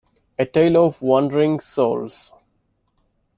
A Tale of Wandering Souls.